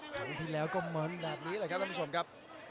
ครั้งที่แล้วก็มันแบบนี้แหละครับท่านผู้ชมครับ